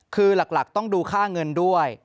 คือหลักต้องดูค่าเงินด้วย